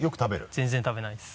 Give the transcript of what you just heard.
全然食べないです。